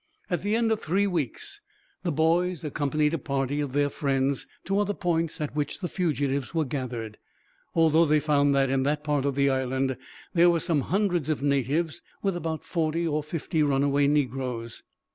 At the end of three weeks, the boys accompanied a party of their friends to other points at which the fugitives were gathered. Altogether they found that, in that part of the island, there were some hundreds of natives, with about forty or fifty runaway negroes.